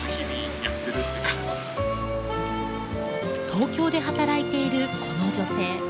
東京で働いているこの女性。